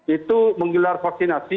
itu menggelar vaksinasi